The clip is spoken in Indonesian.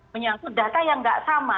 menyangkut data yang tidak sama